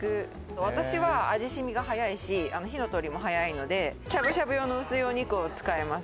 私は味しみがはやいし火の通りもはやいのでしゃぶしゃぶ用の薄いお肉を使います